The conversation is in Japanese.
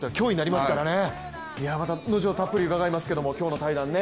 後ほどたっぷり伺いますけども、今日の対談。